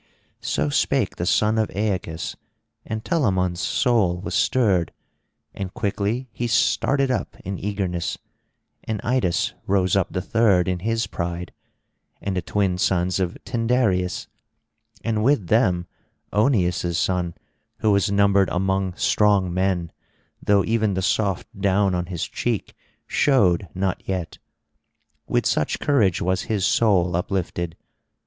So spake the son of Aeacus; and Telamon's soul was stirred, and quickly he started up in eagerness; and Idas rose up the third in his pride; and the twin sons of Tyndareus; and with them Oeneus' son who was numbered among strong men, though even the soft down on his cheek showed not yet; with such courage was his soul uplifted.